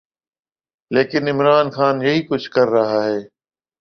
لیکن عمران خان یہی کچھ کر رہا ہے۔